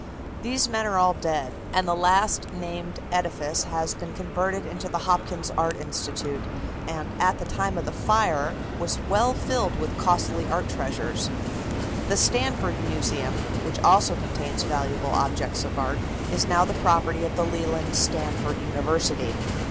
These men are all dead, and the last named edifice has been converted into the Hopkins Art Institute, and at the time of the fire was well filled with costly art treasures. The Stanford Museum, which also contains valuable objects of art, is now the property of the Leland Stanford University.